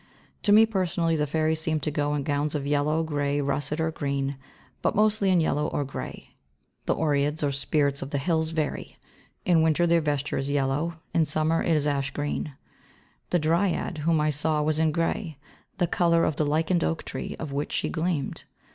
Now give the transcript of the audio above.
To me, personally, the fairies seem to go in gowns of yellow, grey, russet or green, but mostly in yellow or grey. The Oreads or Spirits of the hills vary. In winter their vesture is yellow, in summer it is ash green. The Dryad whom I saw was in grey, the colour of the lichened oak tree out of which she gleamed.